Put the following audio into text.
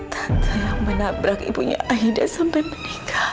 tante yang menabrak ipunya aida sampai meninggal